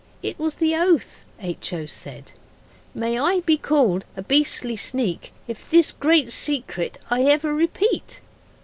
'It was the oath,' H. O. said 'May I be called a beastly sneak If this great secret I ever repeat.